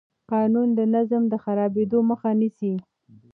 قانون د نظم د خرابېدو مخه نیسي.